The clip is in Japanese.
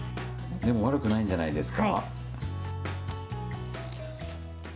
でも悪くないんじゃないですか？